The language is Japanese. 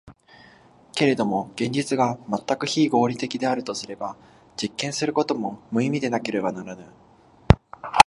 けれども現実が全く非合理的であるとすれば、実験することも無意味でなければならぬ。